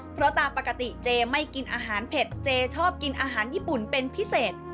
เพราะตามปกติเจไม่กินอาหารเผ็ดเจชอบกินอาหารญี่ปุ่นเป็นพิเศษ